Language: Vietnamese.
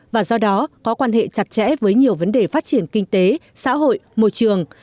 và do đó có quan hệ chặt chẽ với nhiều vấn đề phát triển kinh tế xã hội môi trường